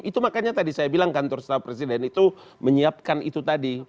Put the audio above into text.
itu makanya tadi saya bilang kantor staf presiden itu menyiapkan itu tadi